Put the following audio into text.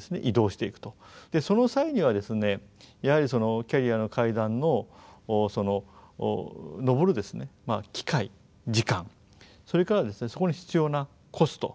その際にはですねやはりキャリアの階段を上る機会時間それからそこに必要なコスト。